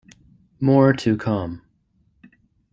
More to come.